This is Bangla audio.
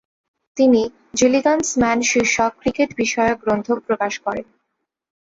তিনি জিলিগান’স ম্যান শীর্ষক ক্রিকেট বিষয়ক গ্রন্থ প্রকাশ করেন।